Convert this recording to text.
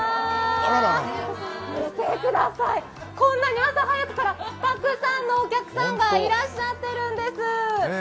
こんなに朝早くからたくさんのお客さんがいらっしゃっているんです。